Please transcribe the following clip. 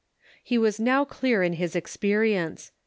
He was now clear in his experience.